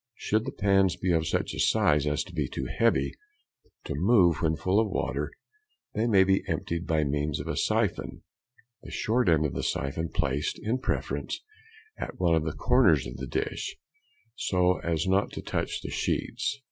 Should the pans be of such a size as to be too heavy to move when full of water, they may be emptied by means of a syphon, the short end of the syphon placed, in preference, at one of the corners of the dish, so as not to touch the sheets.